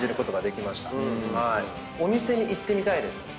お店に行ってみたいです。